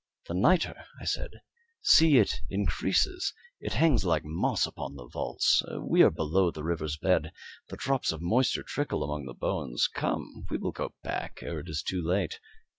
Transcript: "The nitre!" I said; "see, it increases. It hangs like moss upon the vaults. We are below the river's bed. The drops of moisture trickle among the bones. Come, we will go back ere it is too late.